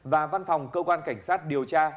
và văn phòng cơ quan cảnh sát điều tra